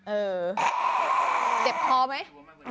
เออเจ็บคอมั้ย